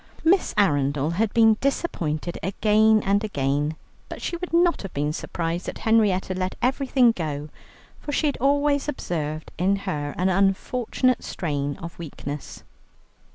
Miss Arundel had been disappointed again and again. But she would not have been surprised that Henrietta let everything go, for she had always observed in her an unfortunate strain of weakness.